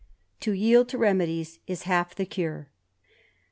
*' To yield to remedies is half the cure."